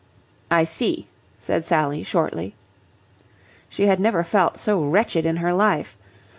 "I see," said Sally, shortly. She had never felt so wretched in her life.